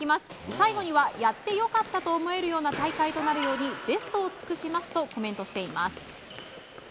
最後にはやって良かったと思えるような大会となるようにベストを尽くしますとコメントしています。